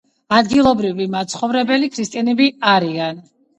ადგილობრივი მაცხოვრებლები ქრისტიანები არიან.